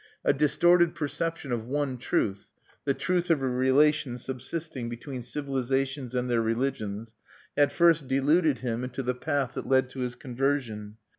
A distorted perception of one truth the truth of a relation subsisting between civilizations and their religions had first deluded him into the path that led to his conversion.